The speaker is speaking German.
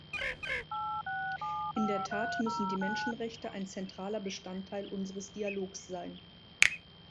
In der Tat müssen die Menschenrechte ein zentraler Bestandteil unseres Dialogs sein.